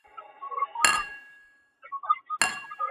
小森幼年时曾随左翼社会活动家的父亲访华。